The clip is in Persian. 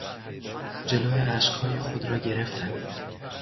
جلو اشکهای خود را گرفتن